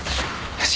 よし。